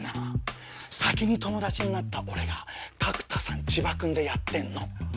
先に友達になった俺が「角田さん」「千葉君」でやってんの。